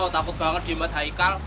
takut banget diumat hai kal